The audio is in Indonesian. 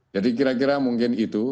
jadi kira kira mungkin itu